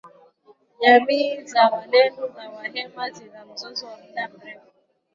Jamii za walendu na wahema zina mzozo wa muda mrefu.